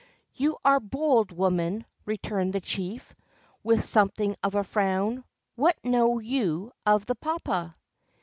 "You are bold, woman," returned the chief, with something of a frown. "What know you of the papa?''